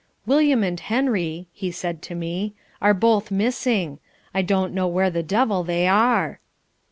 "William and Henry," he said to me, "are both missing. I don't know where the devil they are."